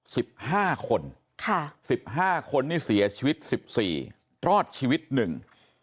สิบห้าคนค่ะสิบห้าคนนี่เสียชีวิตสิบสี่รอดชีวิตหนึ่ง